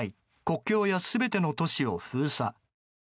国境や全ての都市を封鎖。